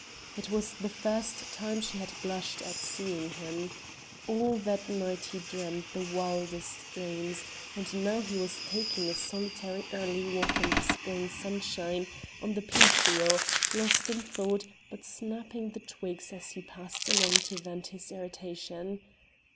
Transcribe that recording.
It was the first time she had blushed at seeing him. All that night he dreamed the wildest dreams, and now he was taking a solitary early walk in the spring sunshine, on the Pincio, lost in thought, but snapping the twigs as he passed along to vent his irritation.